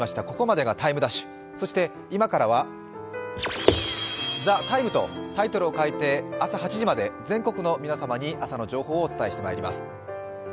ここまでが「ＴＩＭＥ’」、そして今からは「ＴＨＥＴＩＭＥ，」とタイトルを変えて朝８時まで全国の皆様に朝の情報をお伝えしてまいります。